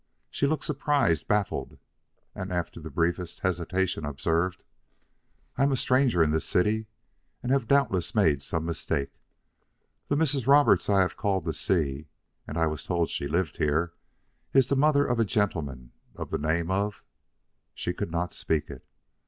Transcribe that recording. She looked surprised baffled, and after the briefest hesitation, observed: "I am a stranger in this city and have doubtless made some mistake. The Mrs. Roberts I have called to see and I was told she lived here is the mother of a gentleman of the name of " She could not speak it.